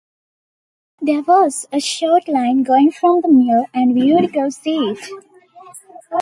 There was a short line going from the mill and we'd go see it.